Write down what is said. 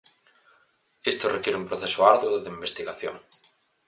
Isto require un proceso arduo de investigación.